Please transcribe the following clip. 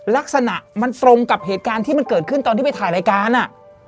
ลักษณะมันตรงกับเหตุการณ์ที่มันเกิดขึ้นตอนที่ไปถ่ายรายการอ่ะ